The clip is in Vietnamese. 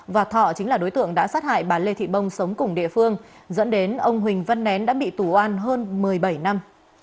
và thọ chính là đối tượng đã sát hại bà lê thị bông sống cùng địa phương dẫn đến ông huỳnh văn nén đã bị tủ oan hơn một mươi bảy năm